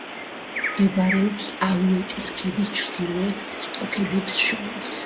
მდებარეობს ალეუტის ქედის ჩრდილოეთ შტოქედებს შორის.